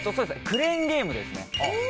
クレーンゲームですね。